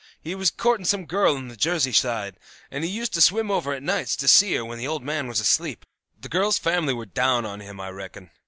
He was courting some girl on the Jersey side, and he used to swim over at nights to see her when the old man was asleep. The girl's family were down on him, I reckon.